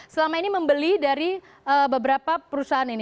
selama ini membeli dari beberapa perusahaan ini